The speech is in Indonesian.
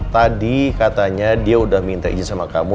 tadi katanya dia udah minta izin sama kamu